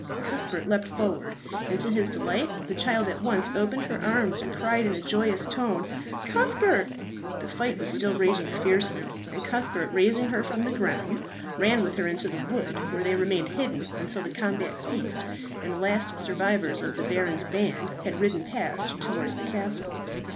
Cuthbert leapt forward, and to his delight the child at once opened her arms and cried in a joyous tone, "Cuthbert!" The fight was still raging fiercely, and Cuthbert, raising her from the ground, ran with her into the wood, where they remained hidden until the combat ceased, and the last survivors of the Baron's band had ridden past towards the castle.